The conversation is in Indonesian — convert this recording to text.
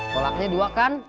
kolaknya dua kan